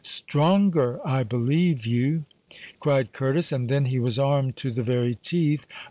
"Stronger! I believe you," cried Curtis. "And then he was armed to the very teeth.